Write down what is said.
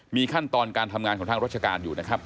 มีขั้นตอนการทำงานของทางราชการอยู่นะครับ